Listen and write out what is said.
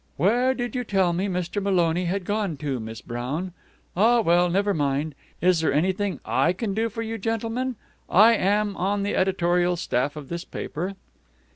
"Where did you tell me Mr. Maloney had gone to, Miss Brown? Ah, well, never mind. Is there anything I can do for you, gentlemen? I am on the editorial staff of this paper."